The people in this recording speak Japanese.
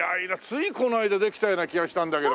ついこの間できたような気がしたんだけどね。